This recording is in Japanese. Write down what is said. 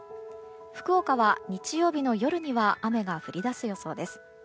福岡は日曜日の夜には雨が降りだす予想です。